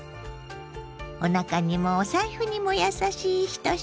おなかにもお財布にも優しい１品。